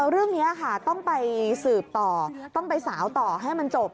เรื่องนี้ค่ะต้องไปสืบต่อต้องไปสาวต่อให้มันจบ